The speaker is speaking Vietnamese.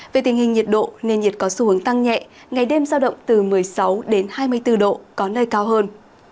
về tình hình nhiệt độ nền nhiệt có xu hướng tăng nhẹ ngày đêm giao động từ một mươi sáu đến hai mươi bốn độ có nơi cao hơn